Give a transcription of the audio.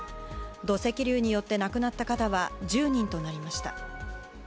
土石流によって亡くなった方は１０人となりました。